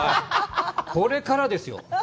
これからですよ。